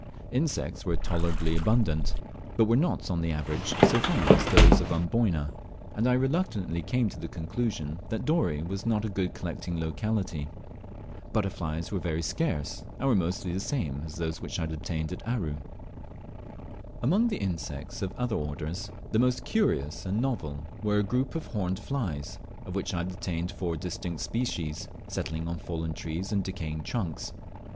Insects were tolerably abundant, but were not on the average so fine as those of Amboyna, and I reluctantly came to the conclusion that Dorey was not a good collecting locality. Butterflies were very scarce, and were mostly the same as those which I had obtained at Aru. Among the insects of other orders, the most curious and novel were a group of horned flies, of which I obtained four distinct species, settling on fallen trees and decaying trunks.